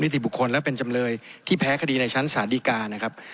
ติบุคคลและเป็นจำเลยที่แพ้คดีในชั้นศาลดีกานะครับ